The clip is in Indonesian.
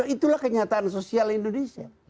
itulah kenyataan sosial indonesia